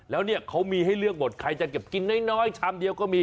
แล้วเนี่ยเขามีให้เลือกหมดใครจะเก็บกินน้อยชามเดียวก็มี